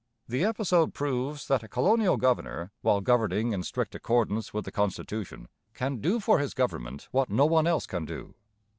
The episode proves that a colonial governor, while governing in strict accordance with the constitution, can do for his government what no one else can do.